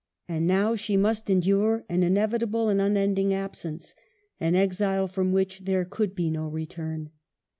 And now she must endure an inevitable and unending absence, an exile from which there could be no return.